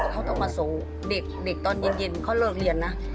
เขาต้องมาส่งเด็กตอนเย็นเขาเลิกเรียนนะ